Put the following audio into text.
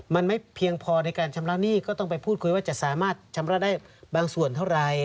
มันไม่เพียงพอในการชำระหนี้ก็ต้องไปพูดคุยว่าจะสามารถชำระได้บางส่วนเท่าไร